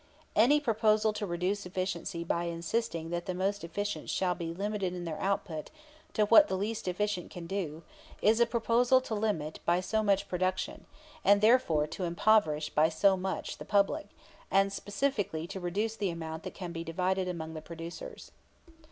Any proposal to reduce efficiency by insisting that the most efficient shall be limited in their output to what the least efficient can do, is a proposal to limit by so much production, and therefore to impoverish by so much the public, and specifically to reduce the amount that can be divided among the producers.